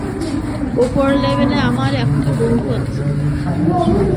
উপর লেভেলে আমার এখনো বন্ধু আছে।